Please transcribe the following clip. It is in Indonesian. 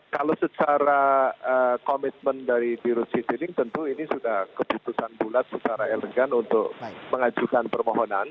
kalau secara komitmen dari biro citylink tentu ini sudah keputusan bulat secara elegan untuk mengajukan permohonan